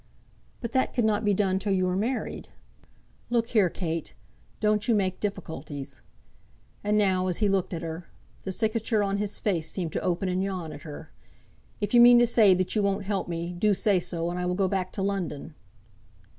"But that could not be done till you are married." "Look here, Kate; don't you make difficulties." And now, as he looked at her, the cicature on his face seemed to open and yawn at her. "If you mean to say that you won't help me, do say so, and I will go back to London."